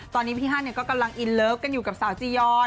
ตอนนี้พี่ฮันก็กำลังอินเลิฟกันอยู่กับสาวจียอน